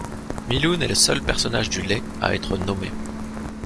Milun est le seul personnage du lai à être nommé.